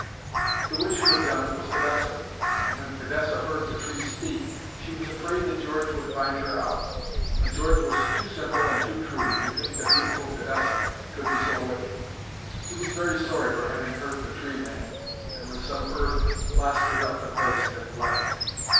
The witch who had done it was Fidessa, and when Fidessa heard the tree speak, she was afraid that George would find her out. But George was too simple and too true to think that beautiful Fidessa could be so wicked. He was very sorry for having hurt the tree man, and with some earth plastered up the place that bled.